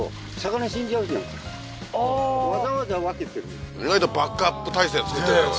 ああー意外とバックアップ体制作ってるよね